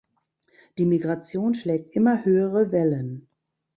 Die Migration schlägt immer höhere Wellen.